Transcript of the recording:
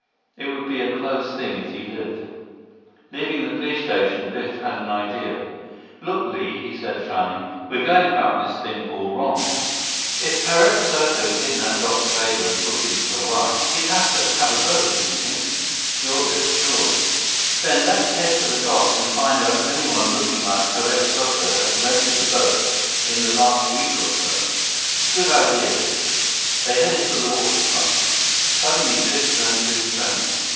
It would be a close thing if he lived. Leaving the police station, Biff had an idea. "Look, Li," he said, frowning. "We're going about this thing all wrong. If Perez Soto kidnaped Dr. Weber and took him to Hawaii, he'd have to have a boat, wouldn't he?" 78 "Sure, Biff, sure." "Then let's head for the docks and find out if anyone looking like Perez Soto has rented a boat in the last week or so." "Good idea, Biff." They headed for the waterfront. Suddenly Biff turned to his friend.